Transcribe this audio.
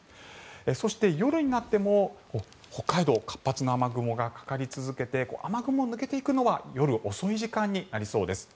そして、夜になっても北海道活発な雨雲がかかり続けて雨雲が抜けていくのは夜遅い時間になりそうです。